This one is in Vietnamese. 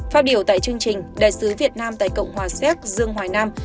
phát biểu tại chương trình đại sứ việt nam tại cộng hòa séc dương hoài nam